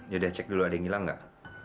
yaudah cek dulu ada yang hilang nggak